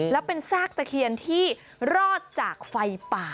แล้วเป็นซากตะเคียนที่รอดจากไฟป่า